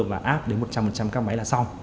và áp đến một trăm linh các máy là xong